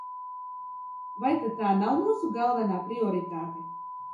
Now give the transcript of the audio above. Vai tad tā nav mūsu galvenā prioritāte?